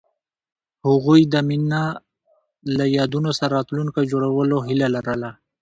هغوی د مینه له یادونو سره راتلونکی جوړولو هیله لرله.